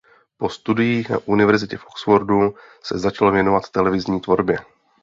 Po studiích na univerzitě v Oxfordu se začal věnovat televizní tvorbě.